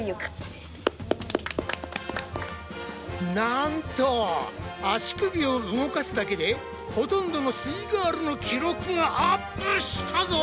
なんと足首を動かすだけでほとんどのすイガールの記録がアップしたぞ！